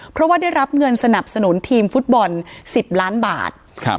เพราะว่าได้รับเงินสนับสนุนทีมฟุตบอล๑๐ล้านบาท